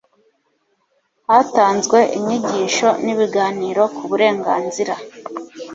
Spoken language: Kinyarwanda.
hatanzwe inyigisho n' ibiganiro ku burengazira